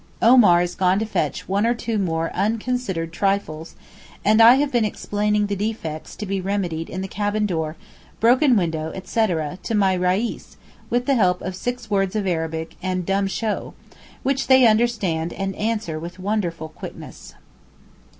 Omar is gone to fetch one or two more 'unconsidered trifles,' and I have been explaining the defects to be remedied in the cabin door, broken window, etc., to my Reis with the help of six words of Arabic and dumb show, which they understand and answer with wonderful quickness.